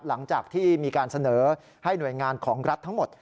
หลังจากที่มีการเสนอให้หน่วยงานของรัฐทั้งหมด